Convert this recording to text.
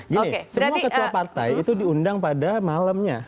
gini semua ketua partai itu diundang pada malamnya